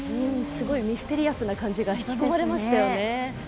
すごいミステリアスな感じが引き込まれましたよね。